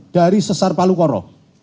dari sesar palu koro